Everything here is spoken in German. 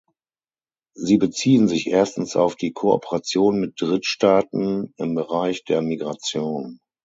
Sie beziehen sich erstens auf die Kooperation mit Drittstaaten im Bereich der Migration.